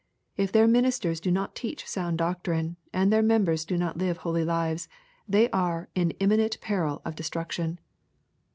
If their ministers do not teach sound doctrine, and their members do not live holy lives, they are in im minent peril of destruction.